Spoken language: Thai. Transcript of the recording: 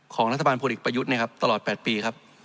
ของรัฐบาลพลเอกประยุทธ์ตลอด๘ปี